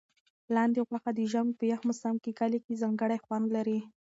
لاندي غوښه د ژمي په یخ موسم کې کلي کې ځانګړی خوند لري.